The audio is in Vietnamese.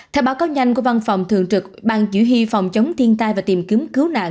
theo báo cáo nhanh của văn phòng thường trực ban chỉ huy phòng chống thiên tai và tìm kiếm cứu nạn